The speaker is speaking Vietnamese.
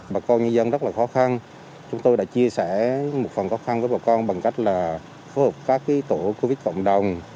bà con nhân dân rất là khó khăn chúng tôi đã chia sẻ một phần khó khăn với bà con bằng cách là phối hợp các tổ covid cộng đồng